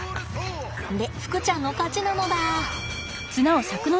でふくちゃんの勝ちなのだ。